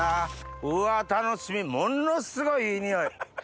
うわ楽しみものすごいいい匂い。